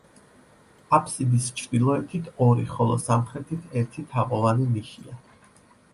აბსიდის ჩრდილოეთით ორი, ხოლო სამხრეთით ერთი თაღოვანი ნიშია.